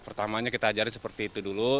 pertamanya kita ajarin seperti itu dulu